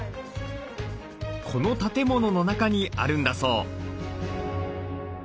この建物の中にあるんだそう。